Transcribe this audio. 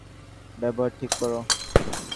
ব্যবহার ঠিক করো।